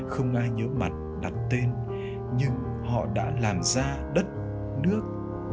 không ai nhớ mặt đặt tên nhưng họ đã làm ra đất nước